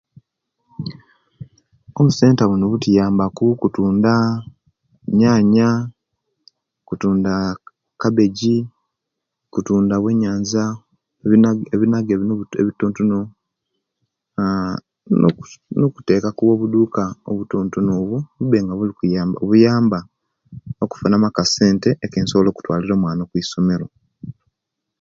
Obusenta buno butuyamba ku okutunda enyanya, okutunda kabeji, kutunda byeyanza ebinage bino ebitontono nnnn noku nokuteawo obusuka obutontono bube nga buli kuyamba buyamba okufuna mu akasente akensibola okutwalira omwana kwisomero